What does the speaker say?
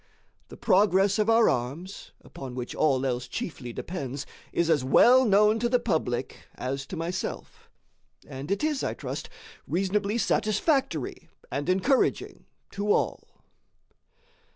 The progress of our arms, upon which all else chiefly depends, is as well known to the public as to myself; and it is, I trust, reasonably satisfactory and encouraging to all.